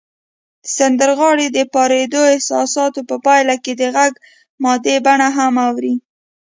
د سندرغاړي د پارندو احساساتو په پایله کې د غږ مادي بڼه هم اوړي